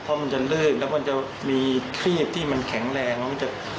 เพราะมันจะลื่นแล้วมันจะมีครีบที่มันแข็งแรง